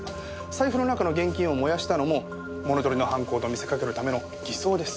財布の中の現金を燃やしたのも物盗りの犯行と見せかけるための偽装です。